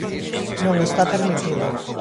Non está permitido.